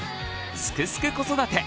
「すくすく子育て」